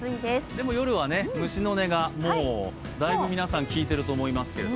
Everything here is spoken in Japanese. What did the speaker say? でも夜は虫の音がだいぶ皆さん聞いていると思いますけど。